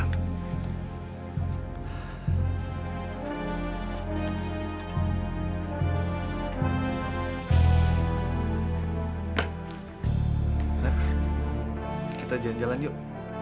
kita jalan jalan yuk